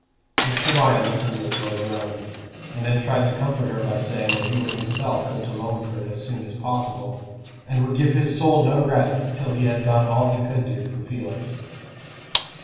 Mr. Lyon listened with low groans, and then tried to comfort her by saying that he would himself go to Loamford as soon as possible, and would give his soul no rest till he had done all he could do for Felix.